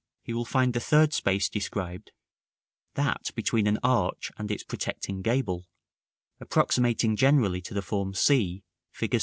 he will find the third space described, that between an arch and its protecting gable, approximating generally to the form c, Fig.